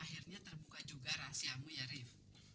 akhirnya terbuka juga rahasiamu ya rif